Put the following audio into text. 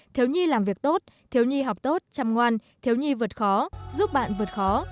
thiếu nhi làm việc tốt thiếu nhi học tốt chăm ngoan thiếu nhi vượt khó giúp bạn vượt khó